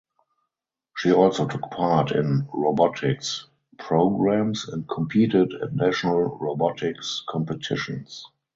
She also took part in robotics programmes and competed at national robotics competitions.